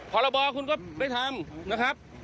ขอระบอคุณก็ไปทำนะครับ